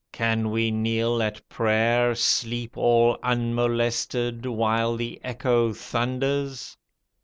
Can we kneel at prayer, sleep all unmolested, While the echo thunders?